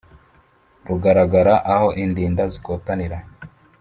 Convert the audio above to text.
Rugaragara aho Indinda zikotanira